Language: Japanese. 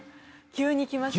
急にきました。